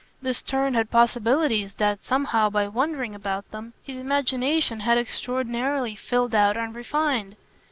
This turn had possibilities that, somehow, by wondering about them, his imagination had extraordinarily filled out and refined.